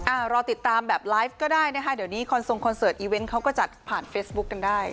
รอติดตามแบบไลฟ์ก็ได้นะคะเดี๋ยวนี้คอนทรงคอนเสิร์ตอีเวนต์เขาก็จัดผ่านเฟซบุ๊คกันได้